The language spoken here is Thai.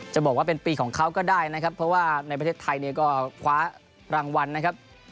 จะบอกว่าเป็นปีของเขาก็ได้นะครับเพราะว่าในประเทศไทยเนี่ยก็คว้ารางวัลนะครับ